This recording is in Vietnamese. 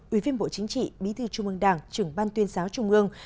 ủy viên bộ chính trị bí thư trung ương đảng trưởng ban tuyên giáo trung ương